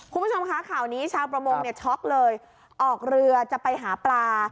คุณผู้ชมคะข่าวนี้ชาวประมงเนี่ยช็อกเลยออกเรือจะไปหาปลา